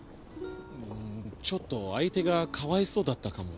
ちょっと相手がかわいそうだったかも。